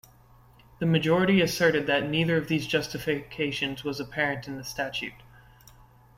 The majority asserted that neither of these justifications was apparent in the statute.